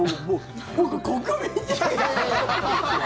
僕、国民的。